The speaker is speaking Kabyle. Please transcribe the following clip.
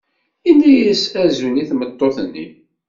Yenna-as azul i tmeṭṭut-nni.